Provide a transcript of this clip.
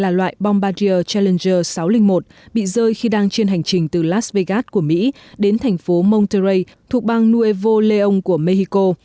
giới chức bang coahuila thông báo chiếc máy bay hàng nhẹ gặp nạn là một chiếc máy bay hàng nhẹ gặp nạn là loại bombardier challenger sáu trăm linh một bị rơi khi đang trên hành trình từ las vegas của mỹ đến thành phố monterrey thuộc bang nuevo león của mexico